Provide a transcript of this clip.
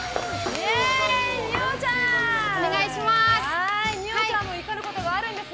お願いします！